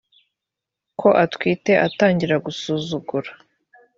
ko atwite atangira gusuzugura